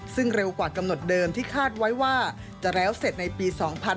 ซึ่งเร็วกว่ากำหนดเดิมที่คาดไว้ว่าจะแล้วเสร็จในปี๒๕๕๙